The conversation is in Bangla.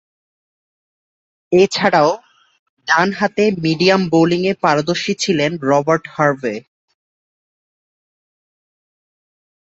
এছাড়াও, ডানহাতে মিডিয়াম বোলিংয়ে পারদর্শী ছিলেন রবার্ট হার্ভে।